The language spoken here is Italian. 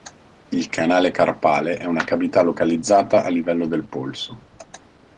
Il canale carpale è una cavità localizzata a livello del polso.